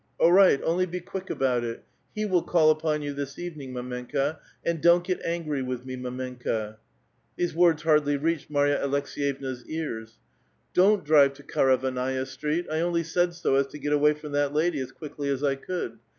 *" All right ; only be quick about it. He will call upon l^^^ this evening, mdmenka; and don't get angry with me, ^^ ^enka.'' * ^hese words hardly reached Mary a Aleks^yevna's ears. *" Don't drive to Karavannaia Street ; I only said so as to ^*• 0.way from that lady as quickly as I could.